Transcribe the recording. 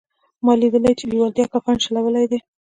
ما لیدلي چې لېوالتیا کفن شلولی دی